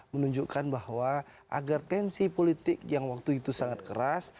menunjukkan bahwa agar tensi politik yang waktu itu sangat keras